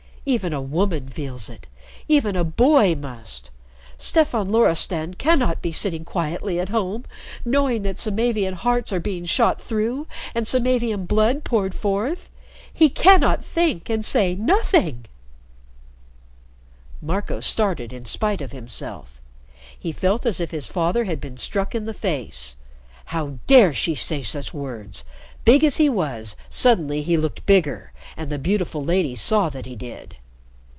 Even a woman feels it. Even a boy must. Stefan Loristan cannot be sitting quietly at home, knowing that Samavian hearts are being shot through and Samavian blood poured forth. He cannot think and say nothing!" Marco started in spite of himself. He felt as if his father had been struck in the face. How dare she say such words! Big as he was, suddenly he looked bigger, and the beautiful lady saw that he did.